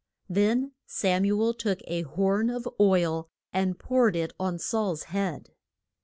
Then Sam u el took a horn of oil and poured it on Saul's head.